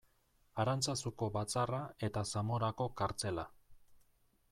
Arantzazuko batzarra eta Zamorako kartzela.